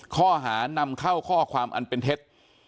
ข้อหานำเข้าข้อความอันเป็นเท็จ